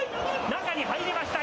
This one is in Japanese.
中に入りました。